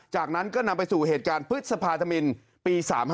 จากนั้นก็นำไปสู่เหตุการณ์พฤษภาธมินปี๓๕